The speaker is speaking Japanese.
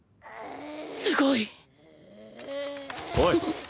すごいおい。